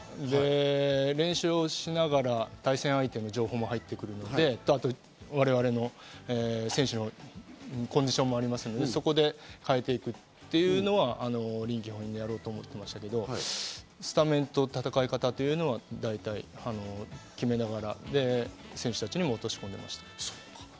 練習をしながら対戦相手の情報も入ってくるので、あと我々の選手のコンディションもありますので、そこで代えていくというのは臨機応変にやってましたけど、スタメンと戦い方というのは大体決めながら、選手たちにも落とし込んでました。